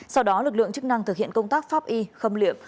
sau đó lực lượng chức năng thực hiện công tác pháp y khâm liệm